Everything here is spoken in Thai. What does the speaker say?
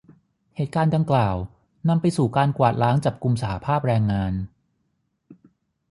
เหตุการณ์ดังกล่าว นำไปสู่การกวาดล้างจับกุมสหภาพแรงงาน